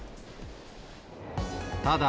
ただ、